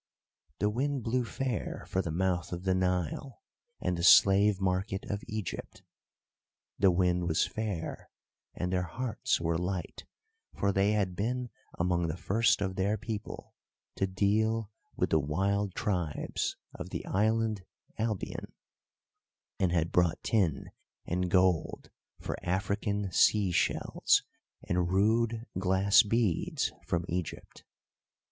The wind blew fair for the mouth of the Nile and the slave market of Egypt. The wind was fair, and their hearts were light, for they had been among the first of their people to deal with the wild tribes of the island Albion, and had bought tin and gold for African sea shells and rude glass beads from Egypt.